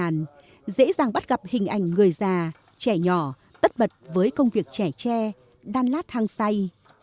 người khuyết tật trong nhà dễ dàng bắt gặp hình ảnh người già trẻ nhỏ tất bật với công việc trẻ tre đan lát hăng xay